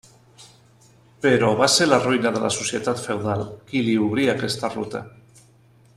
Però va ser la ruïna de la societat feudal qui li obrí aquesta ruta.